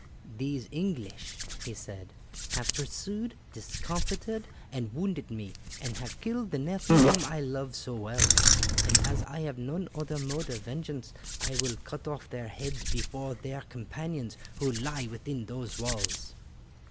"These English," he said, "have pursued, discomforted, and wounded me, and have killed the nephew whom I loved so well, and as I have none other mode of vengeance I will cut off their heads before their companions who lie within those walls."